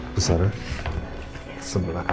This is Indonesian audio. pusara sebelah kamu